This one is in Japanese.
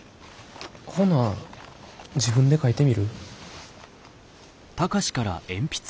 ほな自分で書いてみる？